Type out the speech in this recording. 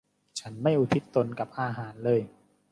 ฉันไม่อุทิศตนกับอาหารเลย